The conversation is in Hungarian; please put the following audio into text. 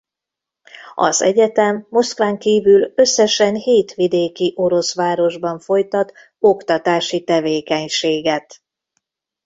Az egyetem Moszkván kívül összesen hét vidéki orosz városban folytat oktatási tevékenységet.